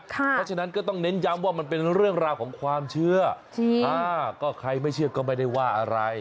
เพราะฉะนั้นก็ต้องเน้นย้ำว่ามันเป็นเรื่องราวของความเชื่อก็ใครไม่เชื่อก็ไม่ได้ว่าอะไร